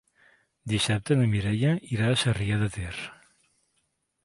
Dissabte na Mireia irà a Sarrià de Ter.